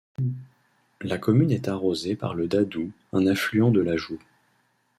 La commune est arrosée par le Dadou un affluent de l'Agout.